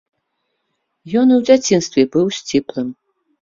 Ён і ў дзяцінстве быў сціплым.